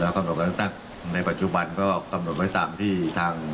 ข้อมูลในปัจจุบันก็จะกำหนดปิดทาง